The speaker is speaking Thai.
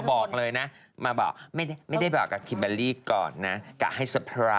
พอภาพออกไปสเปราไซส์แนนมากล้วยให้ละ